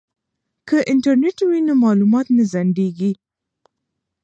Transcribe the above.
که انټرنیټ وي نو معلومات نه ځنډیږي.